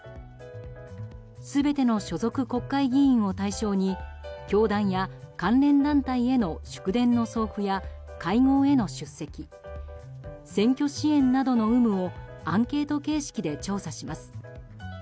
全ての所属国会議員を対象に教団や関連団体への祝電の送付や会合への出席選挙支援などの有無をアンケート形式で調査します。